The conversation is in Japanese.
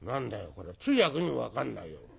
これ通訳にも分かんないよ。